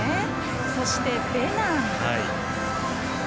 そして、ベナン。